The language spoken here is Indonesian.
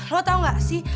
lo tau gak sih